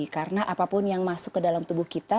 karena apapun yang masuk ke dalam tubuh kita